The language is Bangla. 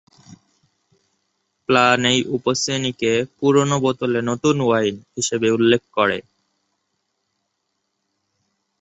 প্ল্যান এই উপ-শ্রেণিকে "পুরানো বোতলে নতুন ওয়াইন" হিসাবে উল্লেখ করে।